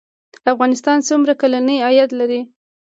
افغانستان څومره کلنی عاید لري؟